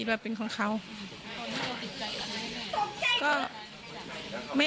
สวัสดีครับ